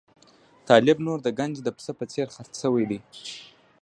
طالب نور د ګنج د پسه په څېر خرڅ شوی دی.